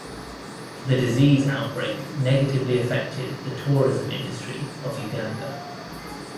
The disease outbreak negatively affected the tourism industry of Uganda.